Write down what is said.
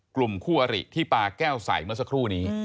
กลุ่มคู่อริที่ปาแก้วใส่เมื่อสักครู่นี้